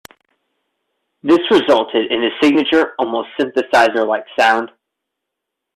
This resulted in his signature, almost synthesizer-like sound.